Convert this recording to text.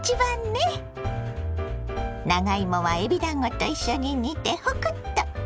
長芋はえびだんごと一緒に煮てホクッと！